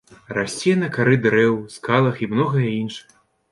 Расце на кары дрэў, скалах і многае іншае.